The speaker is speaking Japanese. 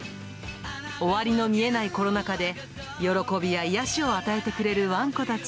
終わりの見えないコロナ禍で、喜びや癒やしを与えてくれるわんこたち。